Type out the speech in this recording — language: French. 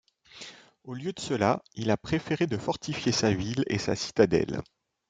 Au lieu de cela, il a préféré de fortifier sa ville et sa citadelle.